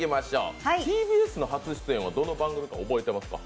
ＴＢＳの初出演は、どの番組か覚えていますか？